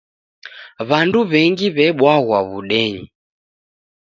W'andu w'engi w'ebwaghwa w'udenyi.